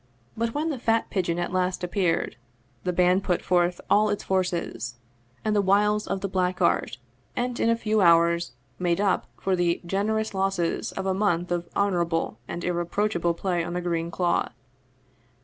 But when the fat pigeon at last appeared, the band put forth all its forces, all the wiles of the black art, and in a few hours made up for the generous losses of a month of honorable and irreproachable play on the green cloth.